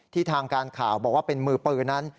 ทางการข่าวบอกว่าเป็นมือปืนนั้น